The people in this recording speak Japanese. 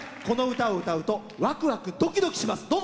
この歌を歌うとワクワクドキドキします。